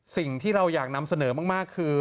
สิ่งที่เราอยากนำเสนอมากคือ